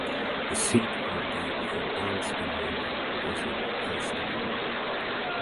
The seat of the "Verbandsgemeinde" is in Herrstein.